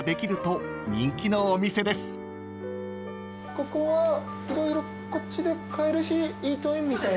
ここはこっちで買えるしイートインみたいな。